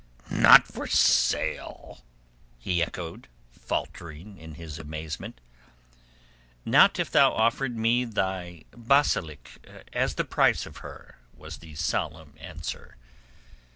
not for sale?" he echoed, faltering in his amazement. "Not if thou offered me thy Bashalik as the price of her," was the solemn answer.